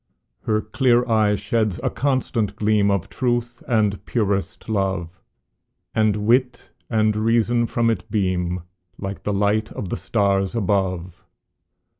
Her clear eye sheds a constant gleam Of truth and purest love, And wit and reason from it beam, Like the light of the stars above.